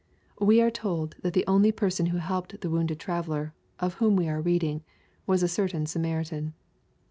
We are told that the_imly person who helped the wounded traveller, of whom we are reading, was a certain Samaritan.